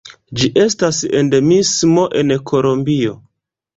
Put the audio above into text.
Ĝi estas endemismo en Kolombio.